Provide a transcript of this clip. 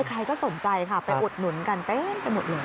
ใครก็สนใจค่ะไปอุดหนุนกันเต็มไปหมดเลย